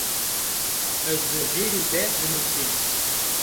Ez do cêrî de binusî